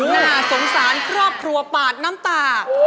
น่าสงสารครอบครัวปาดน้ำตา